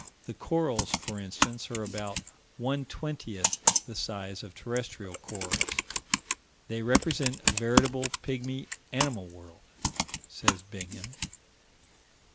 The corals, for instance, are about one twentieth the size of terrestrial corals. "They represent a veritable pygmy animal world," says Bingham.